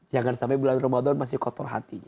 jangan sampai bulan ramadan masih kotor hati